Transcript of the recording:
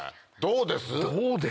どうです？